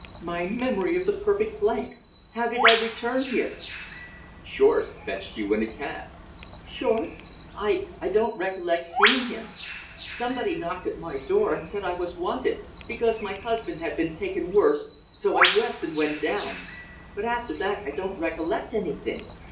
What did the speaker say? My memory is a perfect blank. How did I return here?" "Short fetched you in a cab." "Short? I I don't recollect seeing him. Somebody knocked at my door and said I was wanted, because my husband had been taken worse, so I dressed and went down. But after that I don't recollect anything."